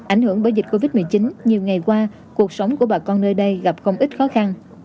ảnh hưởng bởi dịch covid một mươi chín nhiều ngày qua cuộc sống của bà con nơi đây gặp không ít khó khăn